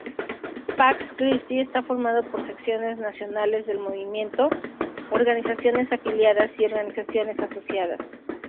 Pax Christi está formado por secciones nacionales del movimiento, organizaciones afiliadas y organizaciones asociadas.